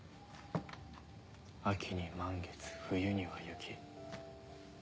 秋に満月冬には雪。